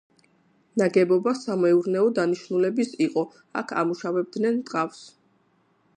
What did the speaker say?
ნაგებობა სამეურნეო დანიშნულების იყო, აქ ამუშავებდნენ ტყავს.